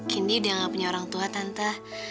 candy udah gak punya orang tua tante